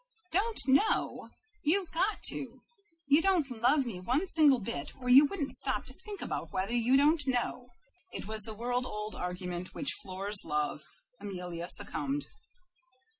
"Don't know! You've got to! You don't love me one single bit or you wouldn't stop to think about whether you didn't know." It was the world old argument which floors love. Amelia succumbed.